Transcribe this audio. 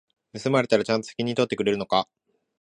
盗まれたらちゃんと責任取ってくれるのか？